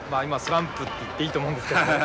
今スランプって言っていいと思うんですけど。